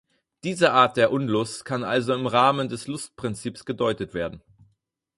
Diese Art der Unlust kann also im Rahmen des Lustprinzips gedeutet werden.